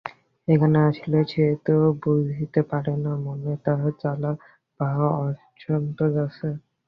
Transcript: এখানে আসিলে সে তো বুঝিতে পারে না মনে তাহার জ্বালা বা অসন্তোষ আছে!